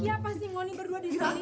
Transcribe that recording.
kira pas nih wony berdua di sini